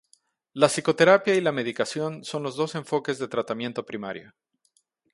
La psicoterapia y la medicación son los dos enfoques de tratamiento primario.